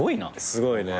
すごいね。